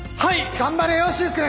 頑張れよ柊君！